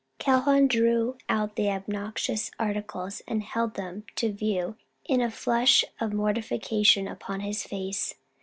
Calhoun drew out the obnoxious articles and held them up to view, a flush of mortification upon his face.